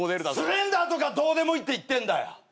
スレンダーとかどうでもいいって言ってんだよ！